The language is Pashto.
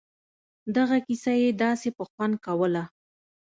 دغه کيسه يې داسې په خوند کوله.